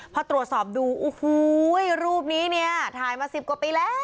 พอตรวจสอบดูโอ้โหรูปนี้เนี่ยถ่ายมา๑๐กว่าปีแล้ว